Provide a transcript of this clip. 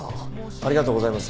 ありがとうございます。